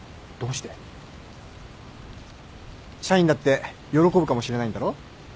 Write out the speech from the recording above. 社員だって喜ぶかもしれないんだろ。